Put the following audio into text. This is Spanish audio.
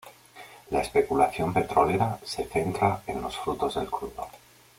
La especulación petrolera se centra en los futuros del crudo.